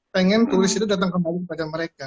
pengen turis itu datang kembali kepada mereka